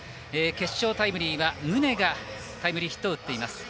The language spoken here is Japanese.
決勝タイムリーは宗がタイムリーヒットを打っています。